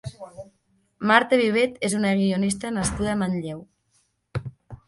Marta Vivet és una guionista nascuda a Manlleu.